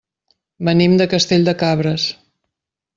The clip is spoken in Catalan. Venim de Castell de Cabres.